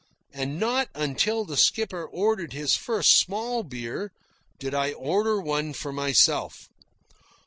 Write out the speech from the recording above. And not until the skipper ordered his first small beer did I order one for myself.